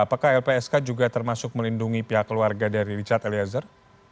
apakah lpsk juga termasuk melindungi pihak keluarga dari richard eliezer